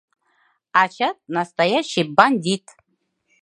Ачат — настоящий... бандит!..